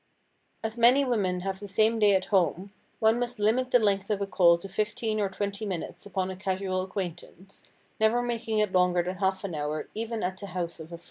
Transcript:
As many women have the same day at home one must limit the length of a call to fifteen or twenty minutes upon a casual acquaintance, never making it longer than half an hour even at the house of a friend.